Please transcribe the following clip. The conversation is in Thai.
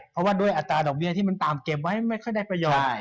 เพราะว่าด้วยอัตราดอกเบี้ยที่มันต่ำเก็บไว้ไม่ค่อยได้ประโยชน์